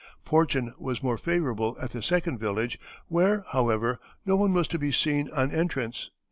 Fortune was more favorable at the second village, where, however, no one was to be seen on entrance.